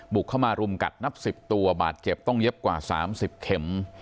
บุกเข้ามารุมกัดนับ๑๐ตัวบาดเจ็บต้องเย็บกว่า๓๐เข็ม